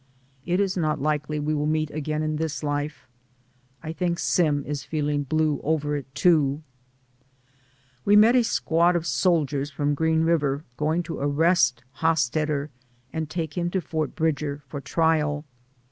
It is not likely we will meet again in this life. I think Sim is feeling blue over it, too. We met a squad of soldiers from Green DAYS ON THE ROAD. 203 River going to arrest Hosstetter, and take him to P'ort Bridger for trial.